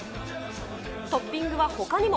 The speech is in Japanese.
トッピングはほかにも。